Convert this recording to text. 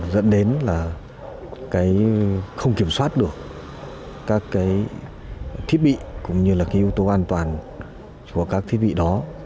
dẫn đến là không kiểm soát được các thiết bị cũng như là yếu tố an toàn của các thiết bị đó